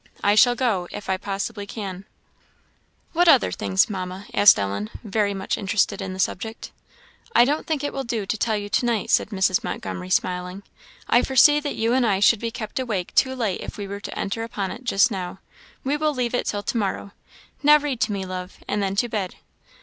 I shall go, if I possibly can." "What other things, Mamma?" asked Ellen, very much interested in the subject. "I don't think it will do to tell you to night," said Mrs. Montgomery, smiling. "I foresee that you and I should be kept awake too late if we were to enter upon it just now. We will leave it till to morrow. Now read to me, love, and then to bed."